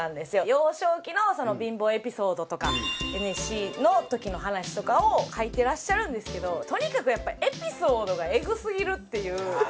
幼少期の貧乏エピソードとかＮＳＣの時の話とかを書いてらっしゃるんですけどとにかくやっぱエピソードがエグすぎるっていう。